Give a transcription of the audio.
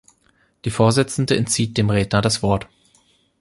Die Vorsitzende entzieht dem Redner das Wort.